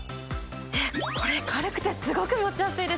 えっこれ軽くてすごく持ちやすいです！